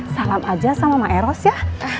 salam aja sama mbak eros ya